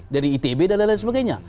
dari itb dan lain lain sebagainya